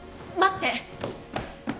待って。